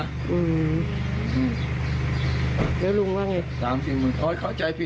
แล้วลุงว่าไง